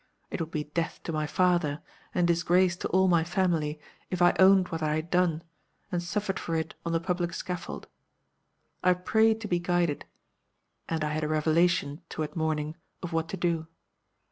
It would be death to my father, and disgrace to all my family, if I owned what I had done, and suffered for it on the public scaffold. I prayed to be guided; and I had a revelation, toward morning, of what to do.